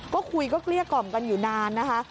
ก็คุยก็เกลี้ยกล่อมกันอยู่นานนะคะ